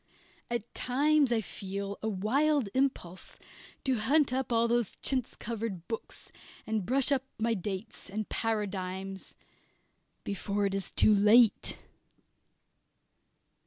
At times I feel a wild impulse to hunt up all those chintz covered books, and brush up my dates and paradigms, before it is too late.